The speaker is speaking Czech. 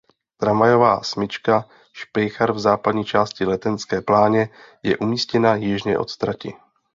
Tramvajová smyčka Špejchar v západní části Letenské pláně je umístěna jižně od trati.